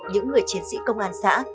những người chiến sĩ công an xã